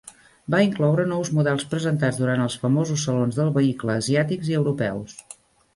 Va incloure nous models presentats durant els famosos salons del vehicle asiàtics i europeus.